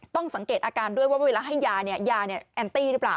สังเกตอาการด้วยว่าเวลาให้ยายาแอนตี้หรือเปล่า